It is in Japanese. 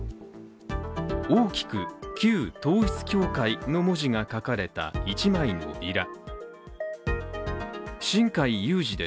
大きく「旧統一教会」の文字が書かれた一枚のビラ。